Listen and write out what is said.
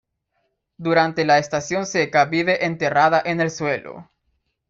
Durante la estación seca vive enterrada en el suelo.